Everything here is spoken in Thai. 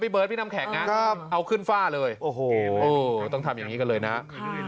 พี่เบิร์ดพี่นำแขกน่ะครับเอาขึ้นฝ้าเลยโอ้โหต้องทำอย่างงี้กันเลยน่ะค่ะ